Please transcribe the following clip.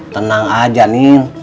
tenang aja nien